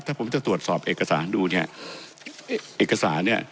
ถ้าผมจะตรวจสอบเอกสารดูเนี่ยเอกสารเนี่ย